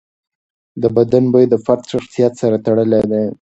د بدن بوی د فرد شخصیت سره تړلی دی.